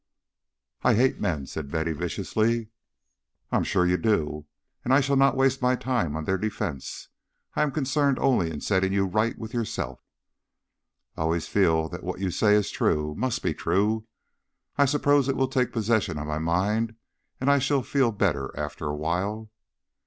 "I hate men," said Betty, viciously. "I am sure you do, and I shall not waste time on their defence. I am concerned only in setting you right with yourself." "I always feel that what you say is true must be true. I suppose it will take possession of my mind and I shall feel better after a while."